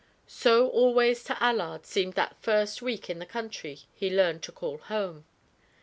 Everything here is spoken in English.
So always to Allard seemed that first week in the country he learned to call home.